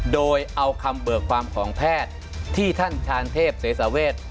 โดยเอาคำเบิกความของแพทย์ที่ท่านชาญเทพเสสาเวท